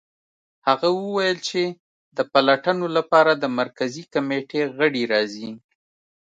هغه وویل چې د پلټنو لپاره د مرکزي کمېټې غړي راځي